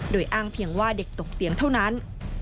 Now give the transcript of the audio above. โดยอ้างเพียงว่าเด็กตกเตียงเท่านั้น